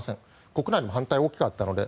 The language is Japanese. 国内でも反対が大きかったので。